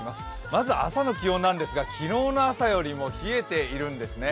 まず朝の気温なんですが、昨日の朝よりも冷えているんですね。